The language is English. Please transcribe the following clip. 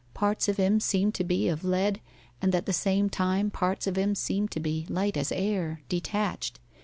Parts of him seemed to be of lead, and at the same time parts of him seemed to be light as air, detached.